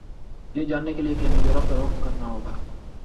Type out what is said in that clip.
یہ جاننے کیلئے ہمیں یورپ کا رخ کرنا ہوگا